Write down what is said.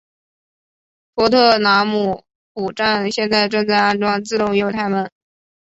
托特纳姆谷站现在正在安装自动月台门。